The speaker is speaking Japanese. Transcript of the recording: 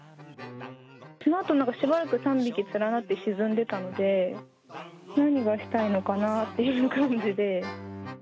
そのあとしばらく、３匹つながって沈んでたので、何がしたいのかなっていう感じで。